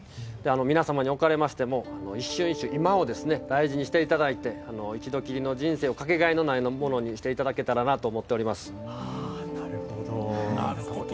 皆様におかれましても、一瞬一瞬今を大事にしていただいて一度きりの人生をかけがえのないものにしていただけたらと思います。